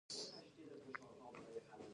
د مشخصو فرهنګي په ځانګړنو سره توپیر شي.